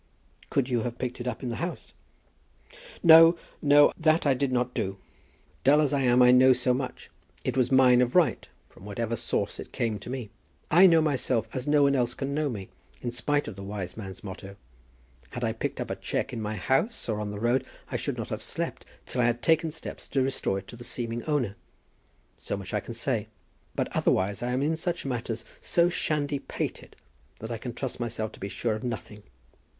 "Could you have picked it up in the house?" "No; no; that I did not do. Dull as I am, I know so much. It was mine of right, from whatever source it came to me. I know myself as no one else can know me, in spite of the wise man's motto. Had I picked up a cheque in my house, or on the road, I should not have slept till I had taken steps to restore it to the seeming owner. So much I can say. But, otherwise, I am in such matters so shandy pated, that I can trust myself to be sure of nothing.